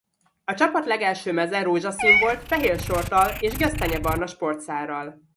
A csapat legelső meze rózsaszín volt fehér sorttal és gesztenyebarna sportszárral.